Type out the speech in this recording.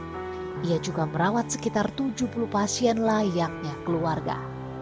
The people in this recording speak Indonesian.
dia juga merawat sekitar tujuh puluh pasien layaknya keluarga